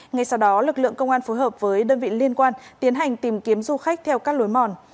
ngay sau đó lực lượng công an phối hợp với đơn vị liên quan tiến hành tìm kiếm du khách theo các lối mòn